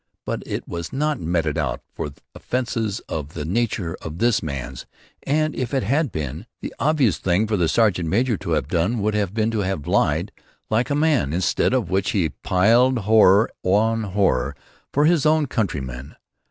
But it was not meted out for offences of the nature of this man's and if it had been, the obvious thing for the sergeant major to have done would have been to have lied like a man; instead of which he piled horror on horror for his own countrymen.